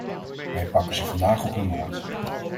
Wij pakken ze vandaag op hun woord.